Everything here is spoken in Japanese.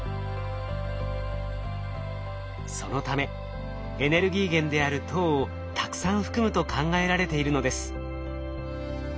そのためエネルギー源である糖をたくさん含むと考えられているのです。